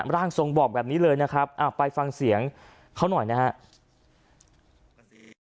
ร่างทรงบอกแบบนี้เลยนะครับไปฟังเสียงเขาหน่อยนะครับ